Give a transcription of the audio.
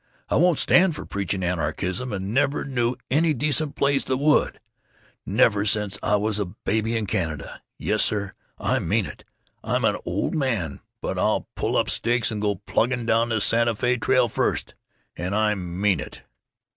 I won't stand for preaching anarchism, and never knew any decent place that would, never since I was a baby in Canada. Yes, sir, I mean it; I'm an old man, but I'd pull up stakes and go plugging down the Santa Fe trail first, and I mean it."